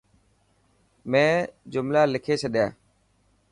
مين جملا لکي ڇڏيا.